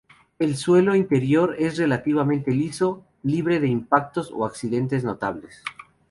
El suelo interior es relativamente liso, libre de impactos o accidentes notables.